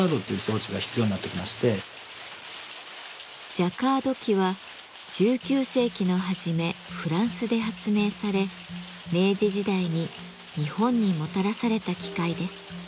ジャカード機は１９世紀の初めフランスで発明され明治時代に日本にもたらされた機械です。